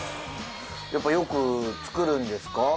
やっぱよく作るんですか？